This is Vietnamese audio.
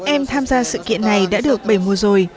em tham gia sự kiện này đã được bảy mùa rồi